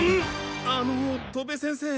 あの戸部先生